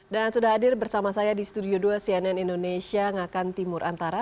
dan sudah hadir bersama saya di studio dua cnn indonesia ngakan timur antara